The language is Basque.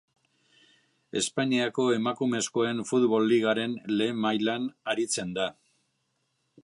Espainiako Emakumezkoen Futbol Ligaren Lehen Mailan aritzen da.